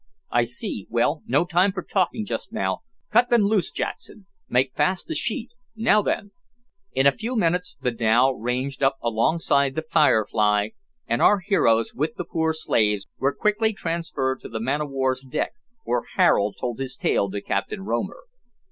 "I see well, no time for talking just now; cut them loose, Jackson. Make fast the sheet now then." In a few minutes the dhow ranged up alongside the "Firefly," and our heroes, with the poor slaves, were quickly transferred to the man of war's deck, where Harold told his tale to Captain Romer.